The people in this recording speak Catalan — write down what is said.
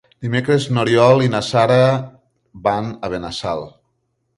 Dimecres n'Oriol i na Sara van a Benassal.